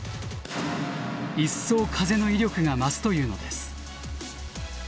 一層風の威力が増すというのです。